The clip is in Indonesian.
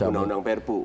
revisi undang undang prpu